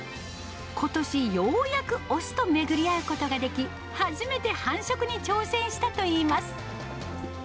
ことしようやく雄と巡り会うことができ、初めて繁殖に挑戦したといいます。